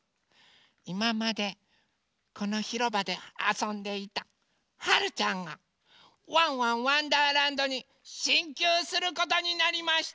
いままでこのひろばであそんでいたはるちゃんが「ワンワンわんだーらんど」にしんきゅうすることになりました！